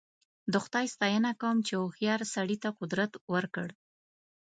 د خدای ستاینه کوم چې هوښیار سړي ته قدرت ورکړ.